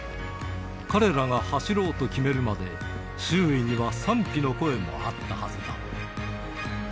彼らが走ろうと決めるまで、周囲には賛否の声もあったはずだ。